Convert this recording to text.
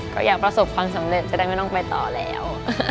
ก็อยากประสบความสำเร็จจะได้ไม่ต้องไปต่อแล้ว